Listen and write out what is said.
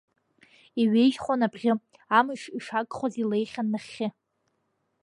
Иҩежьхон абӷьы, амыш, ишагхоз, илеихьан нахьхьы.